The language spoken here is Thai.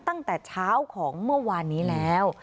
ตั้งแต่เช้าของเมื่อวานนี้แล้ว